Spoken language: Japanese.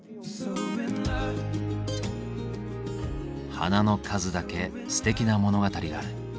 花の数だけすてきな物語がある。